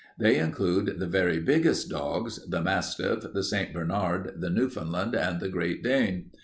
They include the very biggest dogs the mastiff, the St. Bernard, the Newfoundland, and the Great Dane.